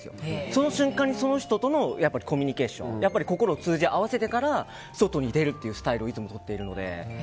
その瞬間にその人とのコミュニケーション心を通じ合わせてから外に出るというスタイルをいつもとっているので。